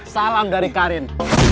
salam dari karin